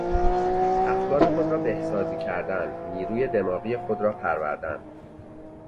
افکار خود را بهسازی کردن، نیروی دماغی خود را پروردن